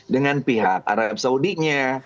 dengan pihak arab saudinya